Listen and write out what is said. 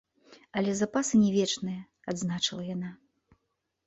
Але запасы не вечныя, адзначыла яна.